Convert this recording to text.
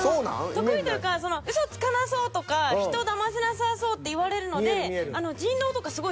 得意というかうそつかなそうとか人をだませなさそうって言われるので逆にな。